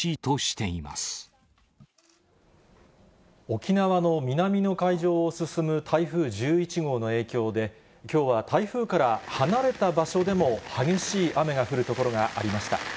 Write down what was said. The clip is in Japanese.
沖縄の南の海上を進む台風１１号の影響で、きょうは台風から離れた場所でも、激しい雨が降る所がありました。